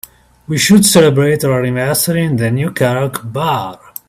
We should celebrate our anniversary in the new karaoke bar.